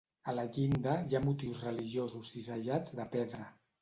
A la llinda hi ha motius religiosos cisellats de pedra.